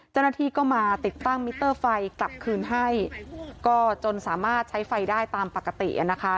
เจ้าหน้าที่ก็มาติดตั้งมิเตอร์ไฟกลับคืนให้ก็จนสามารถใช้ไฟได้ตามปกติอ่ะนะคะ